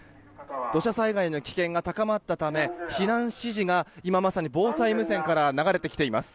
土砂災害の危険が高まったため避難指示が今、まさに防災無線から流れてきています。